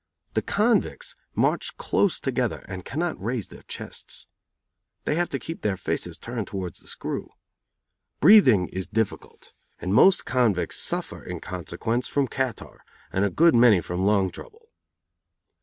The convicts march close together and cannot raise their chests. They have to keep their faces turned towards the screw. Breathing is difficult, and most convicts suffer in consequence from catarrh, and a good many from lung trouble.